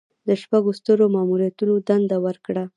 د شپږو سترو ماموریتونو دنده ورکړه.